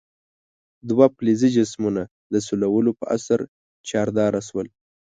دوه فلزي جسمونه د سولولو په اثر چارجداره شول.